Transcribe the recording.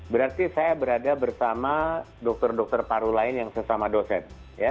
berarti saya berada bersama dokter dokter paru lain yang sesama dosen